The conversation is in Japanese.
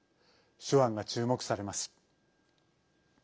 手腕が注目されます。